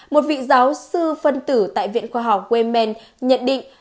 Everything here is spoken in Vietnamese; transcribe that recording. một vị giáo sư phân tử tại viện khoa học waemen nhận định